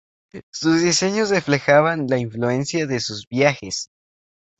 Sus diseños reflejaban la influencia de sus viajes.